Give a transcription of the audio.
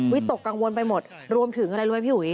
วิตกกังวลไปหมดรวมถึงอะไรด้วยพี่หุย